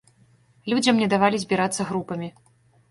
Людзям не давалі збірацца групамі.